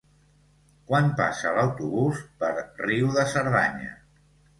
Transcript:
Quan passa l'autobús per Riu de Cerdanya?